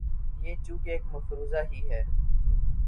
یہ چونکہ ایک مفروضہ ہی ہے۔